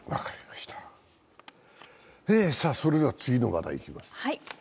さあ、それでは次の話題にいきます。